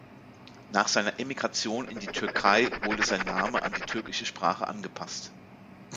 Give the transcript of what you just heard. Nach seiner Emigration in die Türkei wurde sein Name an die türkische Sprache angepasst.